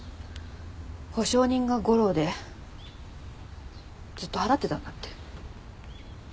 保証人が吾良でずっと払ってたんだって。